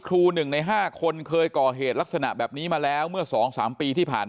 ๑ใน๕คนเคยก่อเหตุลักษณะแบบนี้มาแล้วเมื่อ๒๓ปีที่ผ่าน